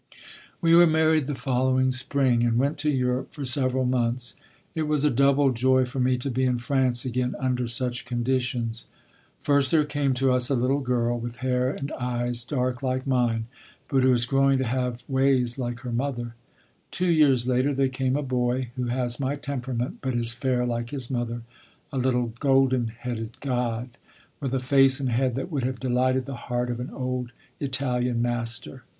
We were married the following spring, and went to Europe for several months. It was a double joy for me to be in France again under such conditions. First there came to us a little girl, with hair and eyes dark like mine, but who is growing to have ways like her mother. Two years later there came a boy, who has my temperament, but is fair like his mother, a little golden headed god, with a face and head that would have delighted the heart of an old Italian master.